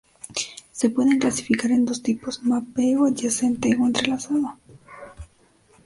Se pueden clasificar en dos tipos: mapeo adyacente o entrelazado.